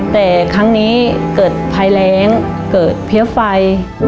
แต่ครั้งนี้เกิดภัยแรงเกิดเพี้ยไฟ